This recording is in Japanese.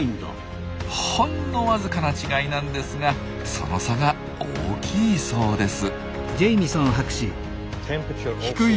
ほんのわずかな違いなんですがその差が大きいそうです。